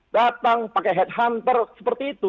datang pakai headhunter seperti itu